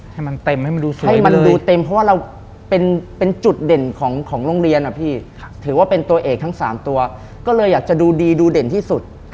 ให้มันเต็มให้มันดูสวยให้มันดูเต็มเพราะว่าเราเป็นจุดเด่นของโรงเรียนอะพี่ถือว่าเป็นตัวเอกทั้ง๓ตัวก็เลยอยากจะดูดีดูเด่นที่สุด